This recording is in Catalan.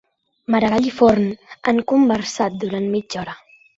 Maragall i Forn han conversat durant mitja hora